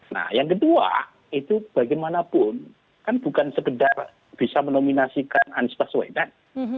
nah yang kedua itu bagaimanapun kan bukan sekedar bisa menominasikan anies baswedan